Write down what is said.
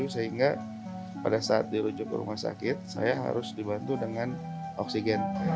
sehingga pada saat dirujuk ke rumah sakit saya harus dibantu dengan oksigen